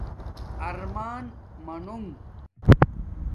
ارمان مانُݣ